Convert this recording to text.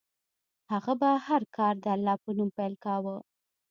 هغه به هر کار د الله په نوم پیل کاوه.